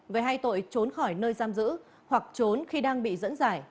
về hai tội trốn khỏi nơi giam giữ hoặc trốn khi đang bị dẫn giải